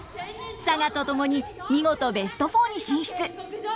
佐賀と共に見事ベスト４に進出！